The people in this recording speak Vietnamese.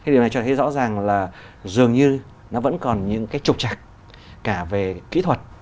điều này cho thấy rõ ràng là dường như nó vẫn còn những cái trục trạc cả về kỹ thuật